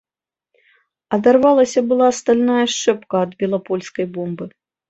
Адарвалася была стальная шчэпка ад белапольскай бомбы.